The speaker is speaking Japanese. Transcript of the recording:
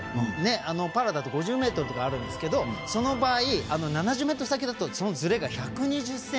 パラだと５０ｍとかあるんですがその場合７０ｍ先だとそのずれが１２０ｃｍになる。